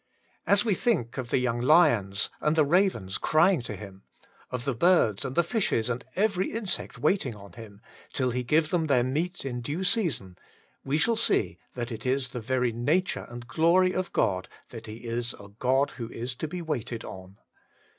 As we think ol the young lions and the ravens crying to Him, of the birds and the fishes and every insect waiting on Him, till He give them their meat in due season, we shall see that it is the very nature and glory of God that He is a God who is to be waited on.